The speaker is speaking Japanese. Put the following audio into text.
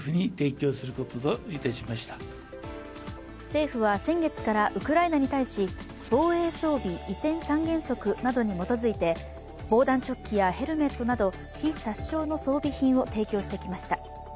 政府は先月からウクライナに対し防衛装備移転三原則などに基づいて防弾チョッキやヘルヘットなど非殺傷品の提供をしてきました。